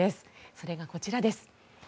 それがこちらです。